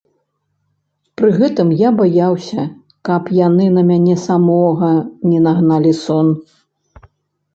Пры гэтым я баяўся, каб яны на мяне самога не нагналі сон.